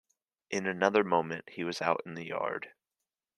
In another moment he was out in the yard.